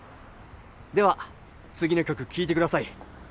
では次の曲聴いてください。